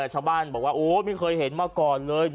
ชาวบ้านบอกว่าโอ้ไม่เคยเห็นมาก่อนเลย